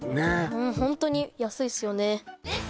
もうホントに安いっすよね